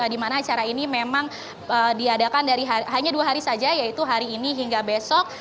di mana acara ini memang diadakan dari hanya dua hari saja yaitu hari ini hingga besok